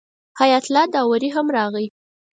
حیات الله داوري هم راغی.